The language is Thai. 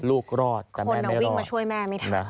ลูกรอดแต่แม่ไม่รอดคนวิ่งมาช่วยแม่ไม่ทัก